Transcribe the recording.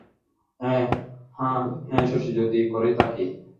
হাঁ হে শশী, যদি করেই থাকি?